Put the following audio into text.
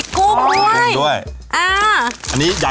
ขอบคุณครับ